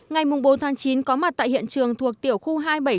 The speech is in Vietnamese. ngày bốn chín có mặt tại hiện trường thuộc tiểu khu hai trăm bảy mươi